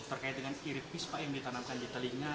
berkait dengan kirit pispa yang ditanamkan di telinga